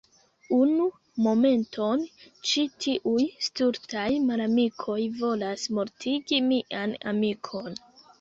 Unu momenton, ĉi tiuj stultaj malamikoj volas mortigi mian amikon.